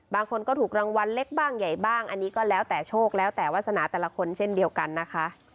บางคนก็ถูกรางวัลเล็กบ้างใหญ่บ้างอันนี้ก็แล้วแต่โชคแล้วแต่วาสนาแต่ละคนเช่นเดียวกันนะคะ